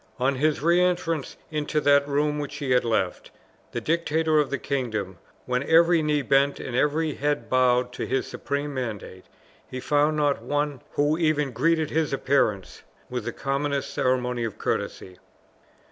On his re entrance into that room which he had left, the dictator of the kingdom, when every knee bent and every head bowed to his supreme mandate, he found not one who even greeted his appearance with the commonest ceremony of courtesy.